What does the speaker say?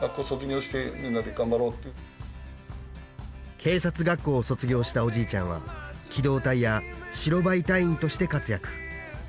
警察学校を卒業したおじいちゃんは機動隊や白バイ隊員として活躍。